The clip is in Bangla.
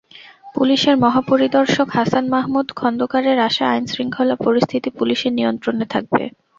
পুলিশের মহাপরিদর্শক হাসান মাহমুদ খন্দকারের আশা, আইনশৃঙ্খলা পরিস্থিতি পুলিশের নিয়ন্ত্রণে থাকবে।